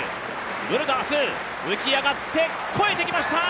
ブルダース、浮き上がって超えてきました！